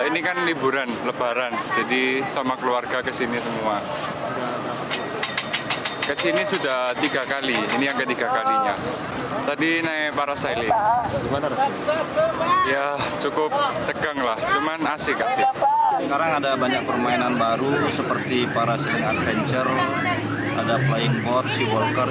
pilihan baru seperti parasailing adventure ada flying boat seawalker